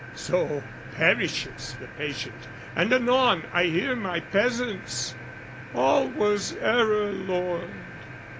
So perishes the patient, and anon I hear my peasants "All was error, lord!